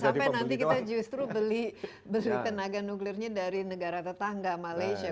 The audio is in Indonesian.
sampai nanti kita justru beli tenaga nuklirnya dari negara tetangga malaysia